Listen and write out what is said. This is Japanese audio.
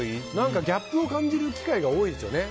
ギャップを感じる機会が多いですよね。